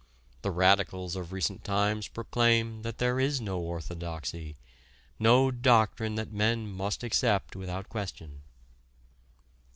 The radicals of recent times proclaim that there is no orthodoxy, no doctrine that men must accept without question.